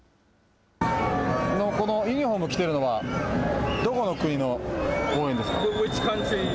このユニホームを着てるのはどこの国の応援ですか。